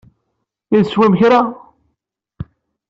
I teswem kra?